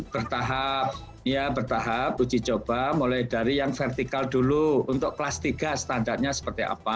bertahap ya bertahap uji coba mulai dari yang vertikal dulu untuk kelas tiga standarnya seperti apa